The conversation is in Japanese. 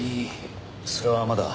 それはまだ。